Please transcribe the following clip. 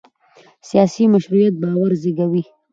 سیاسي مشروعیت باور زېږوي